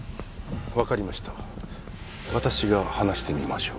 分かりました私が話してみましょう